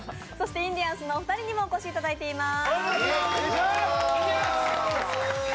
インディアンスのお二人にもお越しいただいています。